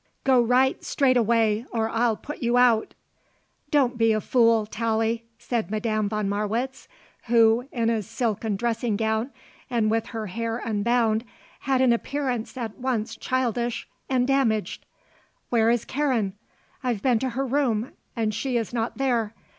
"Go right straight away or I'll put you out." "Don't be a fool, Tallie," said Madame von Marwitz, who, in a silken dressing gown and with her hair unbound, had an appearance at once childish and damaged. "Where is Karen? I've been to her room and she is not there.